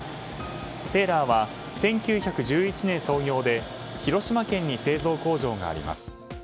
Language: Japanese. セーラーは、１９１１年創業で広島県に製造工場があります。